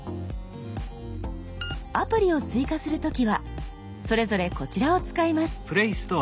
アプリを追加する時はそれぞれこちらを使います。